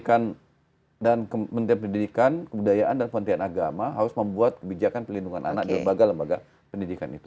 jadi kementerian pendidikan kebudayaan dan kementerian agama harus membuat kebijakan pelindungan anak di lembaga lembaga pendidikan itu